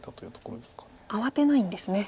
慌てないんですね。